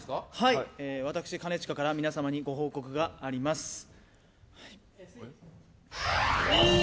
私、兼近から皆様にご報告があります。